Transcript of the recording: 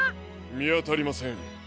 みあたりません。